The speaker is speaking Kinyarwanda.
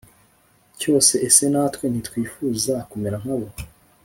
cyose Ese natwe ntitwifuza kumera nka bo